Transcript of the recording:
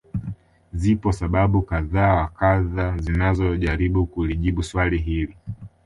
Zipo sababu kadha wa kadha zinazojaribu kulijibu swali hili